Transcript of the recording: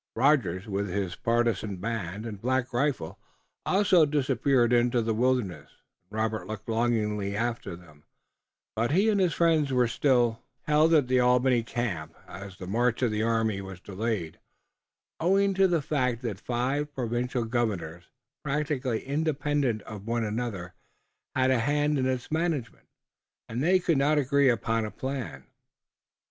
Rogers with his partisan band and Black Rifle also disappeared in the wilderness, and Robert looked longingly after them, but he and his friends were still held at the Albany camp, as the march of the army was delayed, owing to the fact that five provincial governors, practically independent of one another, had a hand in its management, and they could not agree upon a plan.